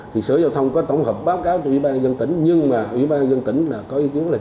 thì sở giao thông có tổng hợp báo cáo cho ủy ban dân tỉnh nhưng mà ủy ban dân tỉnh là có ý kiến là